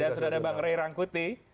dan sudah ada bang ray rangkuti